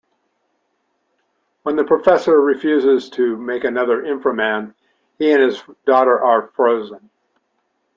When the professor refuses to make another Inframan, he and his daughter are frozen.